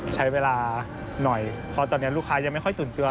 ใช้เวลาหน่อยเพราะตอนนี้ลูกค้ายังไม่ค่อยตื่นตัว